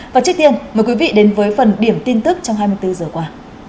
và trước tiên mời quý vị đến với phần điểm tin tức trong hai mươi bốn giờ qua